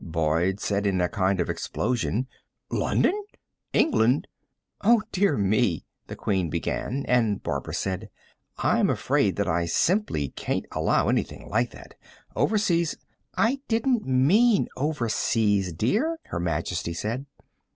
Boyd said, in a kind of explosion: "London? England?" "Oh, dear me " the Queen began, and Barbara said: "I'm afraid that I simply can't allow anything like that. Overseas " "I didn't mean overseas, dear," Her Majesty said.